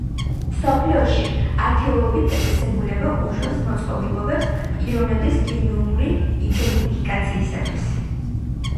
მსოფლიოში ათეულობით დაწესებულება უშვებს მოწყობილობებს პიროვნების გენომური იდენტიფიკაციისათვის.